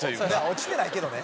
落ちてないけどね。